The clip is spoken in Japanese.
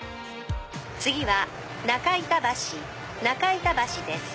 次は中板橋中板橋です。